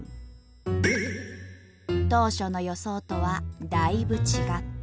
当初の予想とはだいぶ違った。